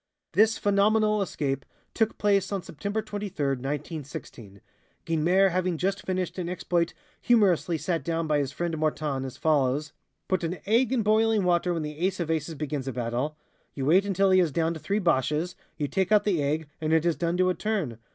This phenomenal escape took place on September 23, 1916, Guynemer having just finished an exploit humorously set down by his friend Mortane as follows: "Put an egg in boiling water when the Ace of Aces begins a battle; you wait until he has downed three Boches, you take out the egg, and it is done to a turn.